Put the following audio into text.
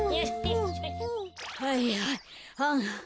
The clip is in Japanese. はいはいはあ。